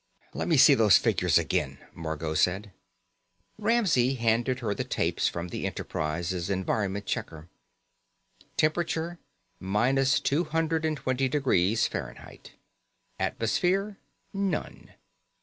"Let me see those figures again," Margot said. Ramsey handed her the tapes from the Enterprise's environment checker. Temperature: minus two hundred and twenty degrees Fahrenheit. Atmosphere: none.